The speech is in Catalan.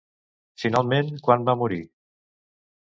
Finalment, quan va morir?